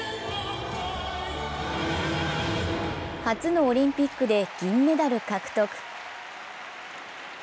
初のオリンピックで銀メダル獲得。